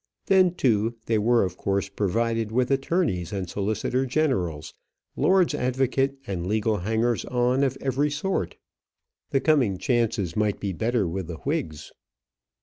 Then, too, they were of course provided with attorneys and solicitors general, lords advocate and legal hangers on of every sort. The coming chances might be better with the Whigs.